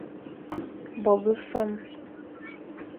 Bo be fam.